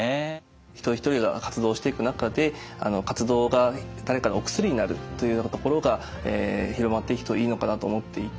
一人一人が活動していく中で活動が誰かのお薬になるというようなところが広まっていくといいのかなと思っていて。